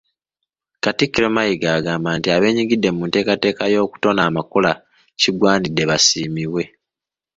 Katikkiro Mayiga agamba nti abeenyigidde mu nteekateeka y'okutona amakula kigwanidde basiimibwe.